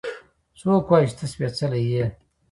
څوک وايي چې ته سپېڅلې يې؟